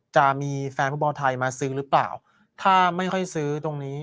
จะมีแฟนฟุตบอลไทยมาซื้อหรือเปล่าถ้าไม่ค่อยซื้อตรงนี้